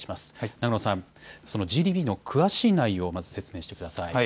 永野さん、そのＧＤＰの詳しい内容、説明してください。